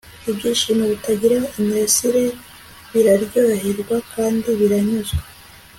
Ibyishimo bitagira imirasire biraryoherwa kandi biranyuzwe